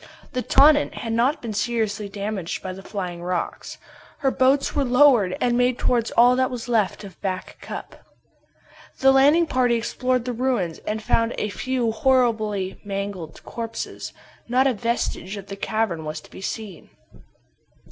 The Tonnant had not been seriously damaged by the flying rocks. Her boats were lowered and made towards all that was left of Back Cup. The landing parties explored the ruins, and found a few horribly mangled corpses. Not a vestige of the cavern was to be seen.